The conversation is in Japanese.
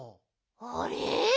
あれ？